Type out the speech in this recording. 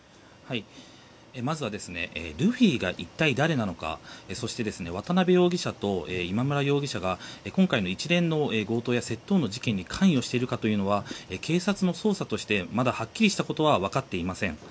まずはルフィが誰なのか渡邉容疑者と今村容疑者が今回の一連の強盗や窃盗の事件に関与しているかは警察の捜査としてまだ、はっきりしたことは分かっていません。